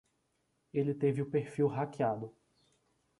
Ele teve o perfil hackeado.